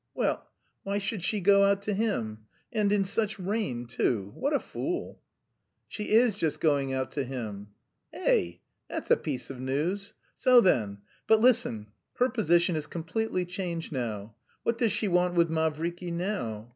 "Well! Why should she go out to him? And... in such rain too... what a fool!" "She is just going out to him!" "Eh! That's a piece of news! So then... But listen, her position is completely changed now. What does she want with Mavriky now?